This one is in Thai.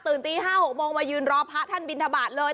ตี๕๖โมงมายืนรอพระท่านบินทบาทเลย